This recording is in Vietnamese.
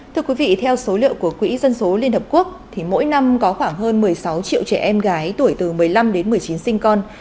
thưa quý vị theo số liệu của quỹ dân số liên hợp quốc thì mỗi năm có khoảng hơn một mươi sáu triệu trẻ em gái tuổi từ một mươi năm đến một mươi chín sinh con